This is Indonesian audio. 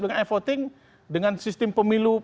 dengan e voting dengan sistem pemilu